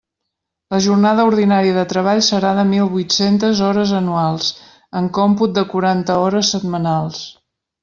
La jornada ordinària de treball serà de mil vuit-centes hores anuals, en còmput de quaranta hores setmanals.